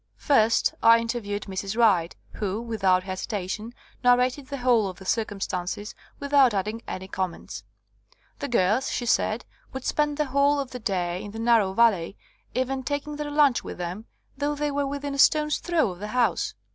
First I interviewed Mrs. Wright, who, without hesitation, narrated the whole of the circumstances without adding any comment. The girls, she said, would spend the whole of the day in the narrow valley, even taking their lunch with them, though they were within a stone's throw of the house.